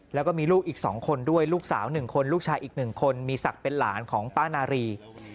แล้วก็มีลูกอีก๒คนด้วยลูกสาว๑คนลูกชายอีก๑คนมีศักดิ์เป็นหลานของป้านารี